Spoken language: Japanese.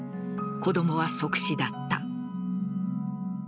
子供は即死だった。